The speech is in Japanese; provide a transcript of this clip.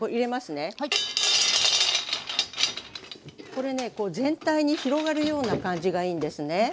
これねこう全体に広がるような感じがいいんですね。